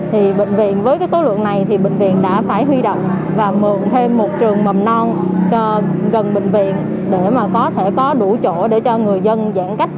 thì bệnh viện với số lượng này thì bệnh viện đã phải huy động và mượn thêm một trường mầm non gần bệnh viện để mà có thể có đủ chỗ để cho người dân giãn cách